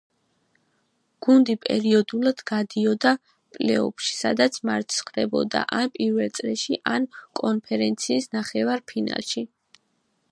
გუნდი პერიოდულად გადიოდა პლეიოფში სადაც მარცხდებოდა ან პირველ წრეში ან კონფერენციის ნახევარფინალში.